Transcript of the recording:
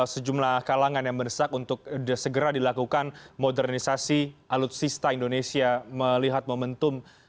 sejumlah kalangan yang mendesak untuk segera dilakukan modernisasi alutsista indonesia melihat momentum